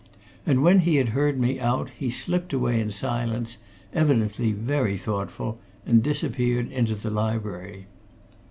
And when he had heard me out, he slipped away in silence, evidently very thoughtful, and disappeared into the library.